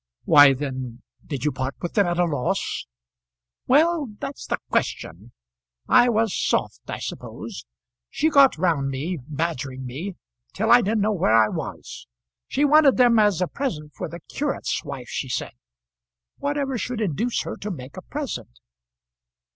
"Why, then, did you part with them at a loss?" "Well; that's the question. I was soft, I suppose. She got round me, badgering me, till I didn't know where I was. She wanted them as a present for the curate's wife, she said. Whatever should induce her to make a present!"